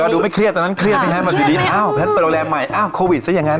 ดูไม่เครียดตอนนั้นเครียดไหมฮะมาอยู่ดีอ้าวแพทย์ไปโรงแรมใหม่อ้าวโควิดซะอย่างนั้น